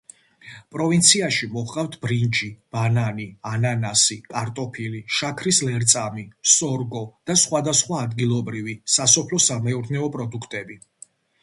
პროვინციაში მოჰყავთ ბრინჯი, ბანანი, ანანასი, კარტოფილი, შაქრის ლერწამი, სორგო და სხვადასხვა ადგილობრივი სასოფლო-სამეურნეო პროდუქტები.